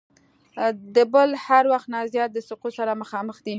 د بل هر وخت نه زیات د سقوط سره مخامخ دی.